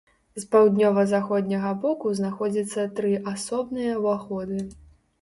З паўднёва-заходняга боку знаходзіцца тры асобныя уваходы.